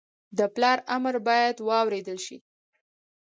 د پلار امر باید واورېدل شي